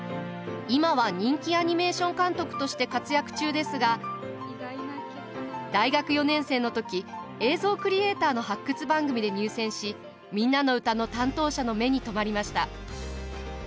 今は人気アニメーション監督として活躍中ですが大学４年生の時映像クリエイターの発掘番組で入選し「みんなのうた」の担当者の目に留まりました。